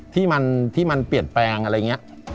ที่มันที่มันเปรียรแปรงอะไรอย่างงี้